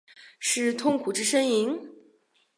是痛苦之呻吟？